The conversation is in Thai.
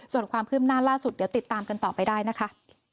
ส่วนความคืบหน้าล่าสุดเดี๋ยวติดตามกันต่อไปได้นะคะ